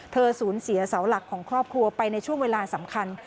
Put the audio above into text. สูญเสียเสาหลักของครอบครัวไปในช่วงเวลาสำคัญ